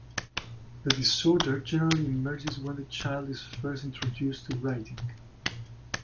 The disorder generally emerges when the child is first introduced to writing.